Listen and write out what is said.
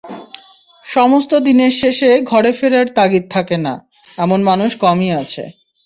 সমস্ত দিনের শেষে ঘরে ফেরার তাগিদ থাকে না, এমন মানুষ কমই আছেন।